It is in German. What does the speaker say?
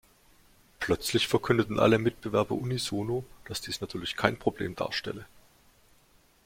Plötzlich verkündeten alle Mitbewerber unisono, dass dies natürlich kein Problem darstelle.